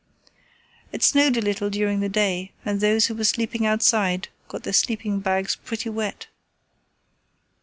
It snowed a little during the day and those who were sleeping outside got their sleeping bags pretty wet.